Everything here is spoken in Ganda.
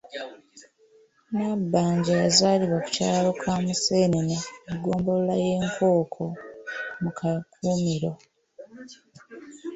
Nabbanja yazaalibwa ku kyalo Kamuseenene, mu ggombolola y’e Nkooko mu Kakumiro.